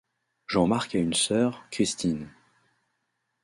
Jean-Marc à une sœur, Christine.